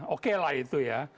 oke lah itu ya